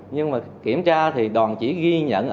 nhưng mà kiểm tra thì đoàn chỉ ghi nhận